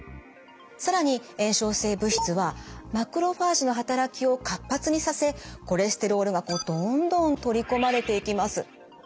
更に炎症性物質はマクロファージの働きを活発にさせコレステロールがどんどん取り込まれていきます。